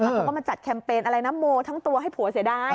เขาก็มาจัดแคมเปญอะไรนะโมทั้งตัวให้ผัวเสียดาย